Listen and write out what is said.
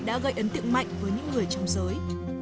đã gây ấn tượng mạnh với những người trong giới